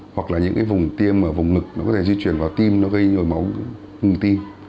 hoặc là những cái vùng tiêm ở vùng ngực nó có thể di chuyển vào tim nó gây nhồi máu hưng tim